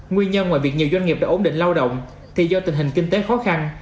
nguyên nhân ngoài việc nhiều doanh nghiệp đã ổn định lao động thì do tình hình kinh tế khó khăn